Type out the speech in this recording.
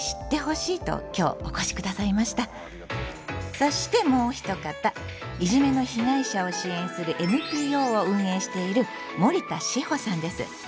そしてもうひと方いじめの被害者を支援するＮＰＯを運営している森田志歩さんです。